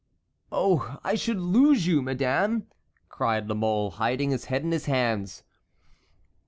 "Oh! I should lose you, madame," cried La Mole hiding his head in his hands.